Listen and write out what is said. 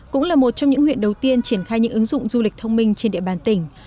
cũng là một trong những huyện đầu tiên triển khai những ứng dụng du lịch thông minh trên địa bàn tỉnh